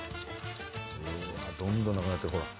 うわっどんどんなくなってるほら。